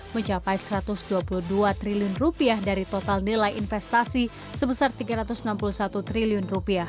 mencapai rp satu ratus dua puluh dua triliun dari total nilai investasi sebesar rp tiga ratus enam puluh satu triliun